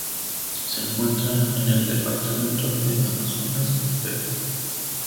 Se encuentra en el departamento de Amazonas, en Perú.